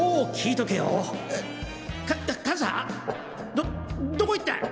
どどこ行ったんや？